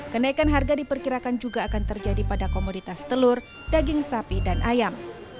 kenaikan harga diperkirakan juga akan terjadi pada komoditas telur daging sapi dan ayam